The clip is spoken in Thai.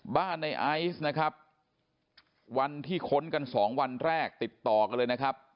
ในไอซ์นะครับวันที่ค้นกันสองวันแรกติดต่อกันเลยนะครับ